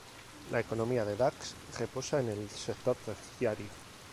La economía de Dax reposa en el sector terciario.